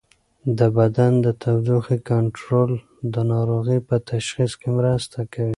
د بدن د تودوخې کنټرول د ناروغۍ په تشخیص کې مرسته کوي.